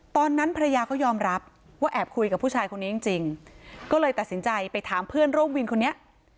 ตอนนั้นภรรยาเขายอมรับว่าแอบคุยกับผู้ชายคนนี้จริงจริงก็เลยตัดสินใจไปถามเพื่อนร่วมวินคนนี้